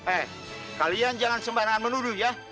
eh kalian jangan sembarangan menuduh ya